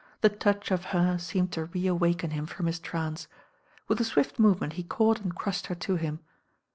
The touch of her seemed to reawaken him from his trance. With a swift movement he caught and crushed her to him.